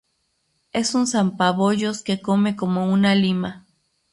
Es un zampabollos que come como una lima